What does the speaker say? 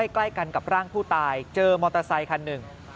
ใกล้กันกับร่างผู้ตายเจอมอเตอร์ไซคันหนึ่ง